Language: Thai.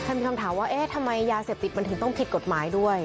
มีคำถามว่าเอ๊ะทำไมยาเสพติดมันถึงต้องผิดกฎหมายด้วย